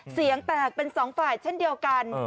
เสียงแตกเป็นสองฝ่ายเช่นเดียวกัน